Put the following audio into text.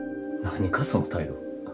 何かその態度。